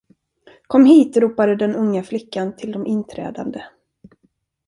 Kom hit, ropade den unga flickan till de inträdande.